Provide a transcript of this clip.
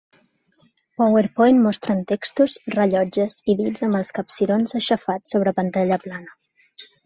PowerPoint mostren textos, rellotges i dits amb els capcirons aixafats sobre pantalla plana.